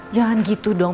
jangan gitu dong